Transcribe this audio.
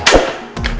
basulah umar pak